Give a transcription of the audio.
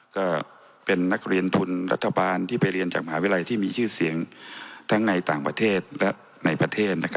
ก็เป็นนักเรียนทุนรัฐบาลที่ไปเรียนจากมหาวิทยาลัยที่มีชื่อเสียงทั้งในต่างประเทศและในประเทศ